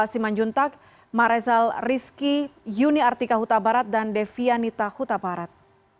simanjontak maresal rizki yuni artika huta barat dan devianita huta barat